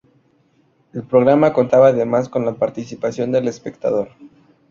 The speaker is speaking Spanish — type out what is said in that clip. El programa contaba además con la participación del espectador.